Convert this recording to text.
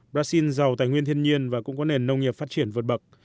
brazil giàu tài nguyên thiên nhiên và cũng có nền nông nghiệp phát triển vượt bậc